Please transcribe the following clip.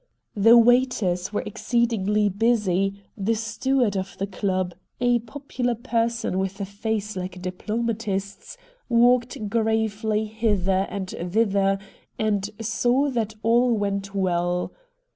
The waiters were exceedingly busy, the steward of the chib, a popular person with a face Uke a diplomatist's, walked gravely hither and thither, and saw that all went well.